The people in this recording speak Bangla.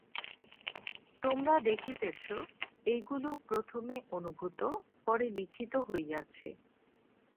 তোমরা দেখিতেছ, এইগুলি প্রথমে অনুভূত, পরে লিখিত হইয়াছে।